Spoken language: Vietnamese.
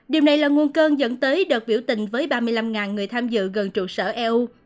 điều này là nguồn cơn dẫn tới đợt biểu tình với ba mươi năm người tham dự gần trụ sở eu